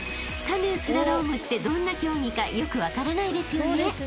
［カヌースラロームってどんな競技かよく分からないですよね？］